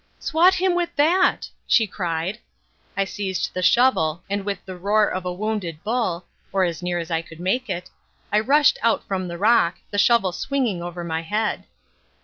"Swat him with that," she cried. I seized the shovel, and with the roar of a wounded bull or as near as I could make it I rushed out from the rock, the shovel swung over my head.